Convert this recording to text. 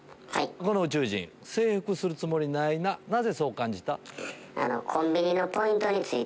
この宇宙人征服するつもりないななぜそう感じた？